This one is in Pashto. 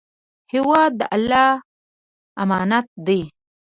هېواد د الله امانت دی.